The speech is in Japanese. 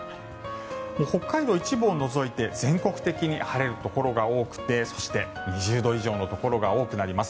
北海道の一部を除いて全国的に晴れるところが多くてそして、２０度以上のところが多くなります。